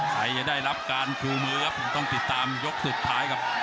ใครจะได้รับการชูมือครับคงต้องติดตามยกสุดท้ายครับ